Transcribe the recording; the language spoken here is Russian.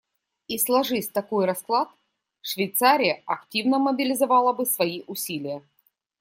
И сложись такой расклад, Швейцария активно мобилизовала бы свои усилия.